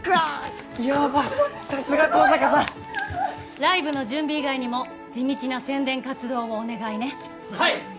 さすが香坂さんライブの準備以外にも地道な宣伝活動をお願いねはい！